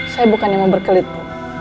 saya bukan yang mau berkelit